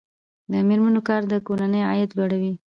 د میرمنو کار د کورنۍ عاید لوړوي.